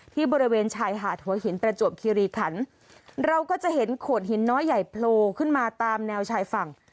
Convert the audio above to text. บริเวณชายหาดหัวหินประจวบคิริขันเราก็จะเห็นโขดหินน้อยใหญ่โผล่ขึ้นมาตามแนวชายฝั่ง